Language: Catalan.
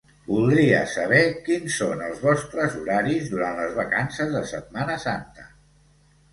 Voldria saber quins són els vostres horaris durant les vacances de Setmana Santa.